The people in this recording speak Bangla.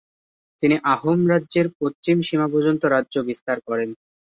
তিনি আহোম রাজ্যের পশ্চিম সীমা পর্যন্ত রাজ্য বিস্তার করেন।